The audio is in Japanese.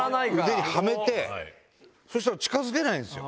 腕にはめてそしたら近づけないんすよ。